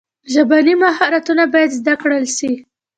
ژبني مهارتونه باید زده کړل سي.